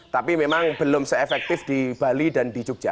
tapi memang belum se efektif di bali dan di jogja